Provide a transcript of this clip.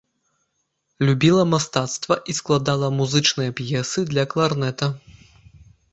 Любіла мастацтва і складала музычныя п'есы для кларнета.